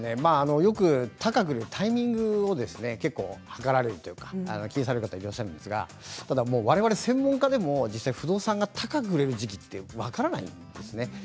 高く売るタイミングを図られるとか、気にされる方いらっしゃるんですがわれわれ専門家でも不動産が高く売れる時期って分からないんです。